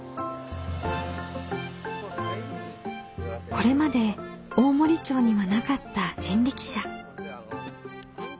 これまで大森町にはなかった人力車。